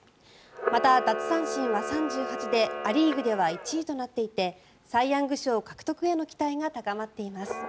また、奪三振は３８でア・リーグでは１位となっていてサイ・ヤング賞獲得への期待が高まっています。